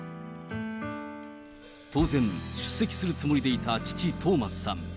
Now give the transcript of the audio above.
当然、出席するつもりでいた父、トーマスさん。